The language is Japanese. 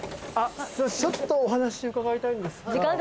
ちょっとお話伺いたいんですが。